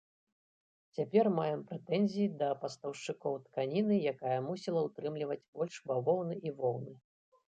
Цяпер маем прэтэнзіі да пастаўшчыкоў тканіны, якая мусіла утрымліваць больш бавоўны і воўны.